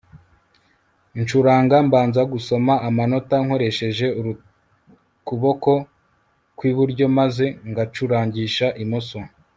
ncuranga mbanza gusoma amanota nkoresheje ukuboko kw iburyo maze ngacurangisha imoso